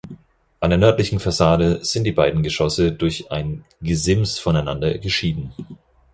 An der nördlichen Fassade sind die beiden Geschosse durch ein Gesims voneinander geschieden.